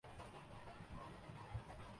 ئی M F tax کی وصولیوں میں کمی پر ناخوش